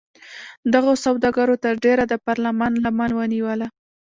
دغو سوداګرو تر ډېره د پارلمان لمن ونیوله.